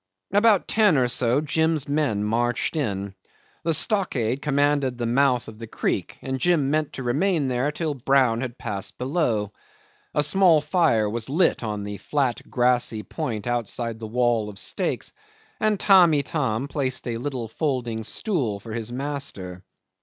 'About ten or so Jim's men marched in. The stockade commanded the mouth of the creek, and Jim meant to remain there till Brown had passed below. A small fire was lit on the flat, grassy point outside the wall of stakes, and Tamb' Itam placed a little folding stool for his master.